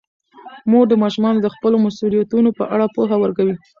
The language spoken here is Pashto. مور د ماشومانو د خپلو مسوولیتونو په اړه پوهه ورکوي.